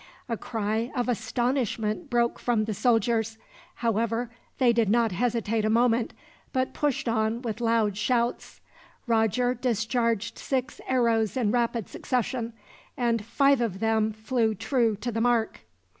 A cry of astonishment broke from the soldiers; however they did not hesitate a moment, but pushed on with loud shouts. Roger discharged six arrows in rapid succession, and five of them flew true to the mark.